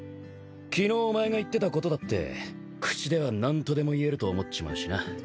昨日お前が言ってたことだって口では何とでも言えると思っちまうしな。